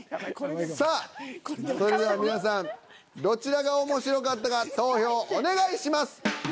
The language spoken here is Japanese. さあそれでは皆さんどちらが面白かったか投票お願いします。